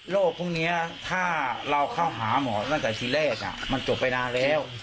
พวกนี้ถ้าเราเข้าหาหมอตั้งแต่ทีแรกมันจบไปนานแล้ว